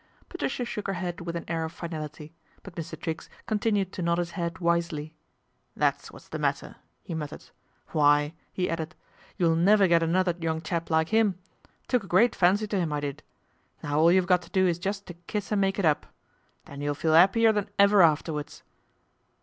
Patricia shook her head with an air of finality ; :mt Mr. Triggs continued to nod his head wisely. " That's what's the matter," he muttered. 1 Why," he added, " you'll never get another /oung chap like 'im. Took a great fancy to 'im, ' did. Now all you've got to do is just to kiss and nake it up. Then you'll feel 'appier than ever ifterwards."